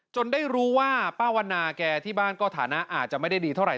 ได้รู้ว่าป้าวันนาแกที่บ้านก็ฐานะอาจจะไม่ได้ดีเท่าไห